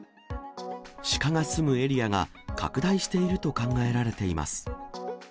シカが住むエリアが拡大していると考えられています。